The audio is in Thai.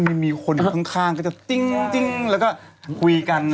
ไม่มีคนข้างก็จะติ๊งแล้วก็คุยกัน